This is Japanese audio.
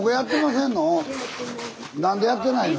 何でやってないの？